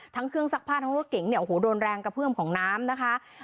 ทั้งเครื่องซักผ้าทั้งรถเก๋งเนี่ยโอ้โหโดนแรงกระเพื่อมของน้ำนะคะ